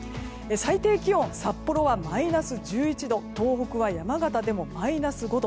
最低気温、札幌はマイナス１１度東北は山形でもマイナス５度。